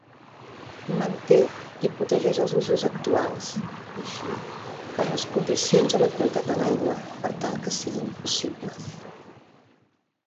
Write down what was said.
Manté i protegeix els usos actuals, així com les condicions de la qualitat de l'aigua per tal que siguin possibles.